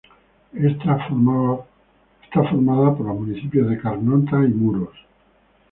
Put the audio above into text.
Está formada por los municipios de Carnota y Muros.